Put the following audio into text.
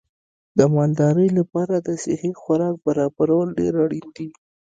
د مالدارۍ لپاره د صحي خوراک برابرول ډېر اړین دي.